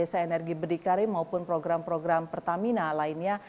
kegiatan desa energi berdikari maupun program program pertamina lainnya